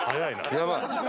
やばい。